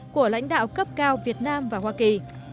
của lãnh đạo cấp cao việt nam và hoa kỳ